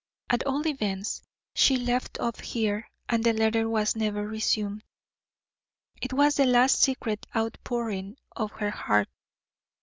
At all events she left off here and the letter was never resumed. It was the last secret outpouring of her heart.